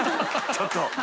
ちょっと。